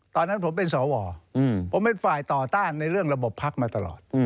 ตอนนั้นผมเป็นสวผมเป็นฝ่ายต่อต้านในเรื่องระบบพักมาตลอด